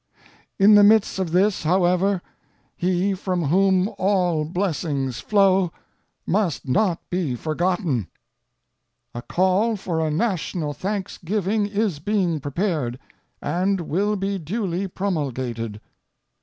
In the midst of this, however, He from whom all blessings flow, must not be forgotten. A call for a national thanksgiving is being prepared, and will be duly promulgated.